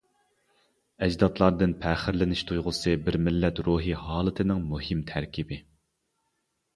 ئەجدادلاردىن پەخىرلىنىش تۇيغۇسى بىر مىللەت روھى ھالىتىنىڭ مۇھىم تەركىبى.